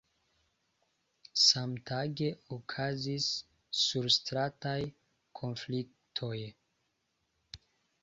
Samtage okazis surstrataj konfliktoj.